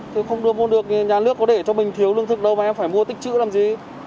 thì không ôn được nhà nước có để cho mình thiếu lương thực đâu mà em phải mua tích chữ làm gì